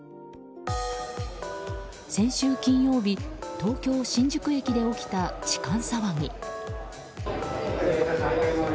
先週金曜日東京・新宿駅で起きた痴漢騒ぎ。